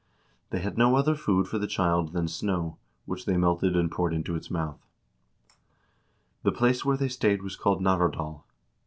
They had no other food for the child than snow, which they melted and poured into its mouth. The place where they stayed was called Navardal.